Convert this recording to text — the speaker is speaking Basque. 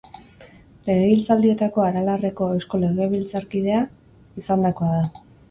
Legegintzaldietako Aralarreko eusko legebiltzarkidea izandakoa da.